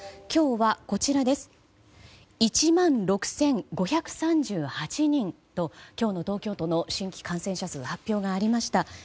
今日は１万６５３８人と今日の東京都の新規感染者数の発表がありました。